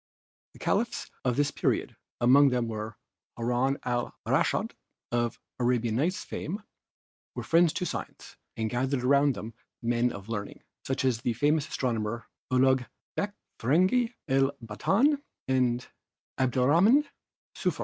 The Caliphs of this period, among whom was Haroun al Raschid of 'Arabian Nights' fame, were friends to science and gathered around them men of learning, such as the famous astronomers Ulug Bekh, Fergani, El Batan and Abdelrahman Sufi.